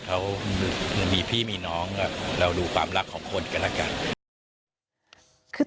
เขามีพี่มีน้องเราดูความรักของคนกันแล้วกัน